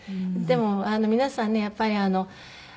でも皆さんねやっぱり。